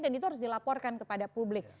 dan itu harus dilaporkan kepada publik